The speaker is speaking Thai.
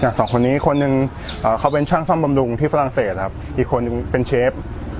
อย่างสองคนนี้คนนึงเขาเป็นช่างสร้างบำรุงที่ฝรั่งเศสอีกคนนึงเป็นเชฟ